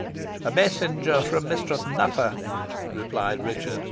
"A messenger from Mistress Nutter," replied Richard.